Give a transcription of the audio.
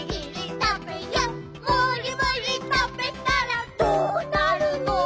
「もりもりたべたらどなるの？」